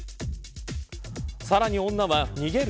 さらに女は、逃げる